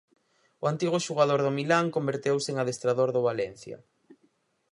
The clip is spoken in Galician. O antigo xogador do Milán converteuse en adestrador do Valencia.